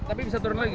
tapi bisa turun lagi